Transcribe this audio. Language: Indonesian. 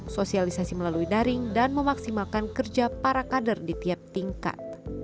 sosialisasi melalui daring dan memaksimalkan kerja para kader di tiap tingkat